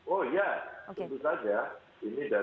oh ya tentu saja